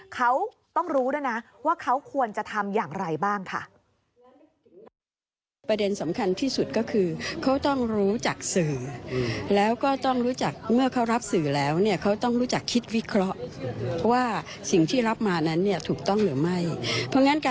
เขาต้องรู้ด้วยนะว่าเขาควรจะทำอย่างไรบ้างค่ะ